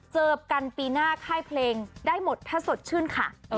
เจอกันปีหน้าค่ายเพลงได้หมดถ้าสดชื่นค่ะ